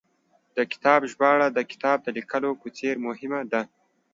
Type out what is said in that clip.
د کتاب ژباړه، د کتاب د لیکلو په څېر مهمه ده